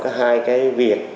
cái hai cái việc